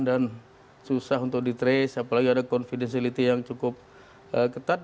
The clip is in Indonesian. dan susah untuk di trace apalagi ada confidentiality yang cukup ketat